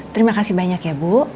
terima kasih banyak ya bu